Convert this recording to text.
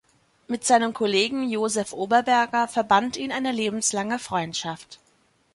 Mit seinem Kollegen Josef Oberberger verband ihn eine lebenslange Freundschaft.